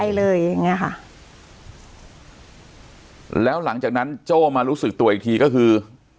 แบบเนี้ยค่ะแล้วหลังจากนั้นโจ้มารู้สึกตัวอีกทีก็คือ